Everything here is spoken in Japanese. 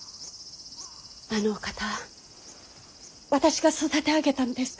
あのお方は私が育て上げたのですから。